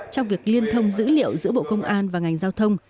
trong việc liên thông dữ liệu giữa bộ công an và ngành giao thông